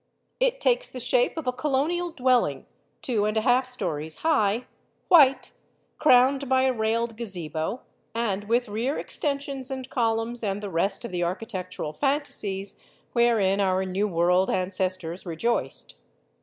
It takes the shape of a colonial dwelling, two and a half stories high, white, crowned by a railed gazebo, and with rear extensions and columns and the rest of the ar chitectural fantasies wherein our new world ancestors rejoiced.